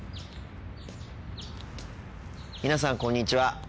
皆さんこんにちは。